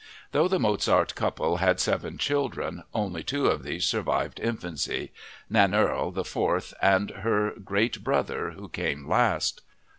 Though the Mozart couple had seven children, only two of these survived infancy—Nannerl, the fourth, and her great brother, who came last.